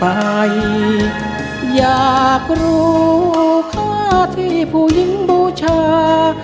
ผ่านมาแล้วก็ผ่านไปอยากรู้ค่ะที่ผู้หญิงบูชา